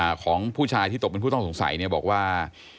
ของผู้ชายที่ตกเป็นผู้ต้องสงสัยเนี่ยบอกว่า